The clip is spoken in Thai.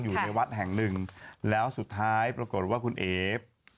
อยู่ในวัดแห่งหนึ่งแล้วสุดท้ายปรากฏว่าคุณเอฟ